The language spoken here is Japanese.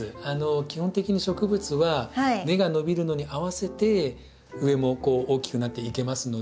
基本的に植物は根が伸びるのに合わせて上も大きくなっていけますので。